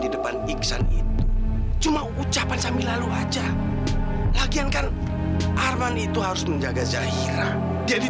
di depan iksan itu cuma ucapan sambil lalu aja latihan kan arman itu harus menjaga zahira jadi